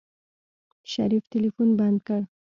شريف ټلفون بند کړ.